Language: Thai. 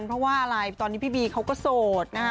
เพราะว่าอะไรตอนนี้พี่บีเขาก็โสดนะฮะ